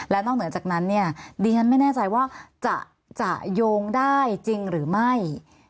และนอกเหนือจากนั้นเนี่ยดิฉันไม่แน่ใจว่าจะโยงได้จริงหรือไม่